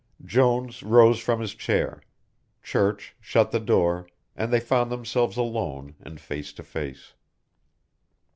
Jones rose from his chair, Church shut the door, and they found themselves alone and face to face.